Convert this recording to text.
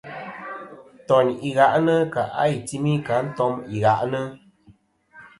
Ntoyn i gha'nɨ kà' a i timi kɨ a ntom i gha'nɨ.